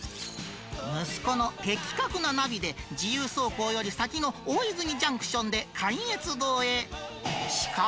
息子の的確なナビで、自由走行より先の大泉ジャンクションで、関越道へ。